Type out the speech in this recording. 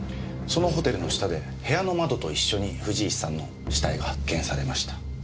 そのホテルの下で部屋の窓と一緒に藤石さんの死体が発見されました。